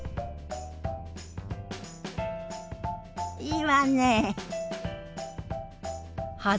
いいわね。